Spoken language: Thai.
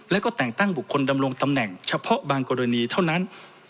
แล้วก็แต่งตั้งบุคคลดำรงตำแหน่งเฉพาะบางกรณีเท่านั้น